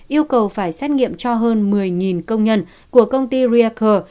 yêu cầu phải xét nghiệm cho hơn một mươi công nhân của công ty riacle